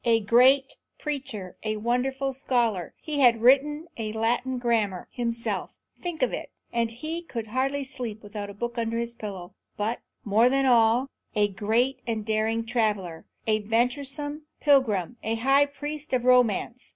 A great preacher; a wonderful scholar; he had written a Latin grammar himself, think of it, and he could hardly sleep without a book under his pillow; but, more than all, a great and daring traveller, a venturesome pilgrim, a high priest of romance.